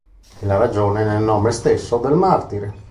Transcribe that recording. E la ragione è nel nome stesso del Martire.